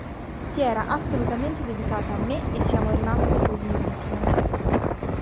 Si era assolutamente dedicata a me e siamo rimaste così intime".